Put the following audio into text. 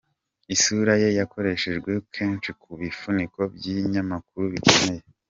Isura ye yakoreshejwe kenshi ku bifuniko by’ibinyamakuru bikomeye.